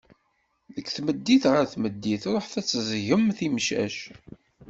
Deg tmeddit ɣer tmeddit, ruḥet ad teẓẓgem timcac.